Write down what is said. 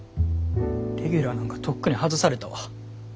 レギュラーなんかとっくに外されたわ。